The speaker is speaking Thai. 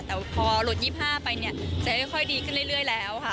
แต่พอหลด๒๕ไปเนี่ยจะค่อยดีขึ้นเรื่อยแล้วค่ะ